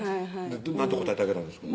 何て答えてあげたんですか？